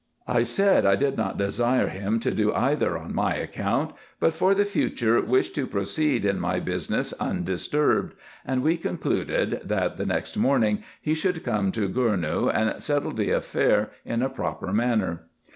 I said I did not desire him to do either on my account, but for the future wished to proceed in my business undisturbed, and we concluded, that the next morning he should come to Gournou, and settle the affair in a proper manner.